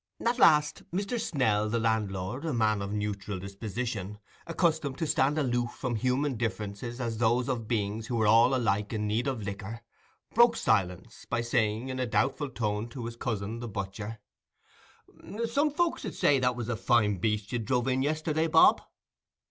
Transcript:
At last Mr. Snell, the landlord, a man of a neutral disposition, accustomed to stand aloof from human differences as those of beings who were all alike in need of liquor, broke silence, by saying in a doubtful tone to his cousin the butcher— "Some folks 'ud say that was a fine beast you druv in yesterday, Bob?"